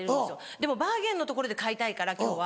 でもバーゲンの所で買いたいから今日は。